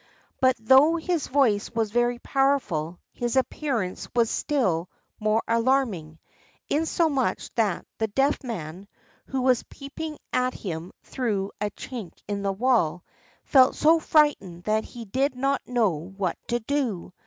But though his voice was very powerful, his appearance was still more alarming, insomuch that the Deaf Man, who was peeping at him through a chink in the wall, felt so frightened that he did not know what to do.